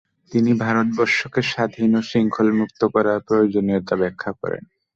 তিনি ভারতবর্ষকে স্বাধীন ও শৃঙ্খলমুক্ত করার প্রয়োজনীতা ব্যাখ্যা করেন।